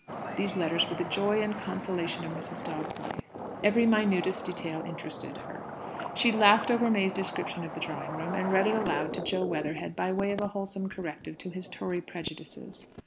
These letters were the joy and consolation of Mrs. Dobbs's life. Every minutest detail interested her. She laughed over May's description of the Drawing room, and read it out aloud to Jo Weatherhead by way of a wholesome corrective to his Tory prejudices.